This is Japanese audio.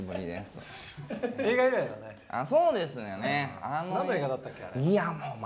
そうですよね。